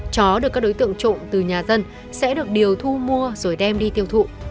chó được các đối tượng trộn từ nhà dân sẽ được điều thu mua rồi đem đi tiêu thụ